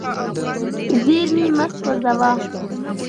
زیرمې مه سوځوه.